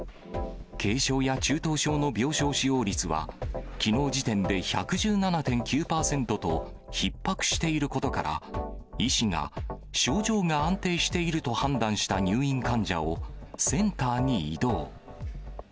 軽症や中等症の病床使用率は、きのう時点で１１７．９％とひっ迫していることから、医師が症状が安定していると判断した入院患者を、センターに移動。